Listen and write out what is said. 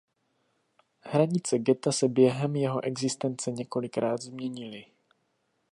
Hranice ghetta se během jeho existence několikrát změnily.